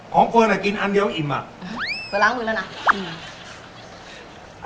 เกินอ่ะกินอันเดียวอิ่มอ่ะเคยล้างมือแล้วนะอืม